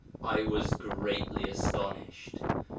I was greatly astonished.